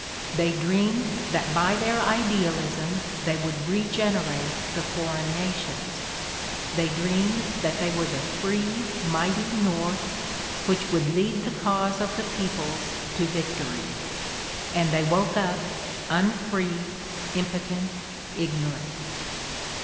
They dreamed that by their idealism they would regenerate the foreign nations. They dreamed that they were the free, mighty North, which would lead the cause of the peoples to victory — and they woke up unfree, impotent, ignorant."